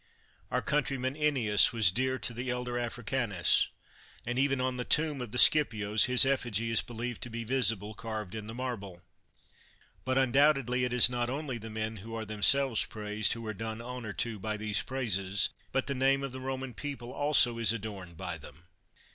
Our countryman, Ennius, was dear to the elder Af ricanus ; and even on the tomb of the Scipios his eflBgy is believed to be visible, carved in the marble. But undoubtedly it is not only the men who are themselves praised who are done honor to by those praises, but the name of the Roman people also is adorned by them.